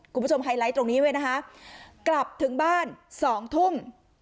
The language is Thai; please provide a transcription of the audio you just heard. คุณผู้ชมไฮไลท์ตรงนี้ไว้นะคะกลับถึงบ้าน๒ทุ่ม